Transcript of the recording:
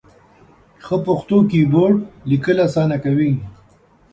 ښه پښتو کېبورډ ، لیکل اسانه کوي.